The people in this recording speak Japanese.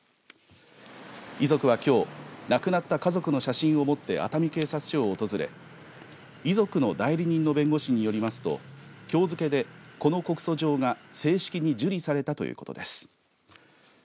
遺族はきょう、亡くなった家族の写真を持って熱海警察署を訪れ遺族の代理人の弁護士によりますときょう付けで、この告訴状が正式に受理されたということです。